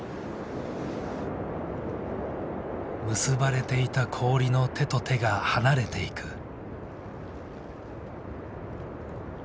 結ばれていた氷の手と手が離れていく。